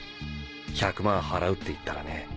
１００万払うって言ったらね。